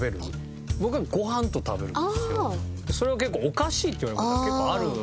それはおかしいって言われる事が結構ある。